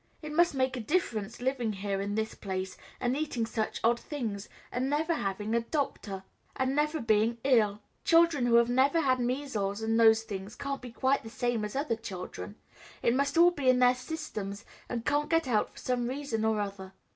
"It must make a difference living here in this place, and eating such odd things, and never having a doctor, and never being ill. Children who have never had measles and those things can't be quite the same as other children; it must all be in their systems and can't get out for some reason or other.